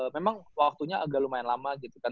memang waktunya agak lumayan lama gitu kan